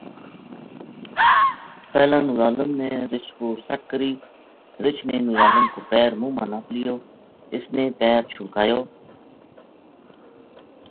پہلاں نورعالم نے رِچھ پو سَٹ کری رِچھ نے نورعالم کو پیر منہ ما نَپ لیو اس نے پیر چھُڑکایو